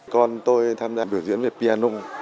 con tôi tham gia biểu diễn về piano